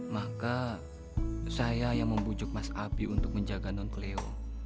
maka saya yang membujuk mas api untuk menjaga non cleo